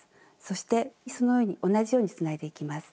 そしてその上に同じようにつないでいきます。